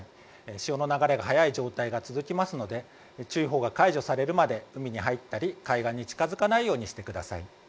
潮の流れが速い状態が続きますので注意報が解除されるまで海に入ったり海岸に近付かないようにしてください。